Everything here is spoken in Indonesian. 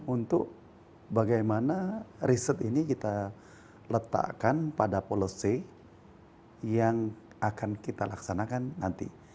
untuk bagaimana riset ini kita letakkan pada policy yang akan kita laksanakan nanti